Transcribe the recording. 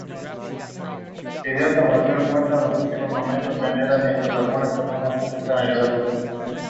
The site is covered with dense tropical vegetation.